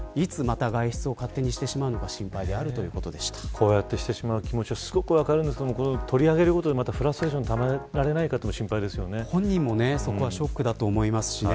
こうやってしてしまう気持ちはすごく分かるんですが取り上げることでフラストレーションを本人もそこはショックだと思いますしね。